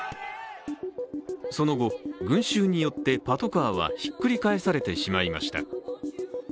その後、群衆によってパトカーはひっくり返されてしまいました。